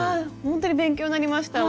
ほんとに勉強になりました。